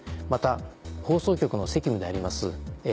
また放送局の責務であります